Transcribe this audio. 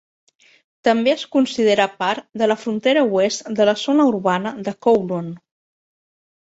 També es considera part de la frontera oest de la zona urbana de Kowloon.